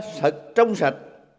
thật trong sạch